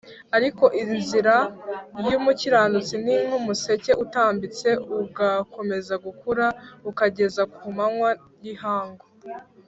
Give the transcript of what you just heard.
ariko inzira y’umukiranutsi ni nk’umuseke utambitse, ugakomeza gukura ukageza ku manywa y’ihangu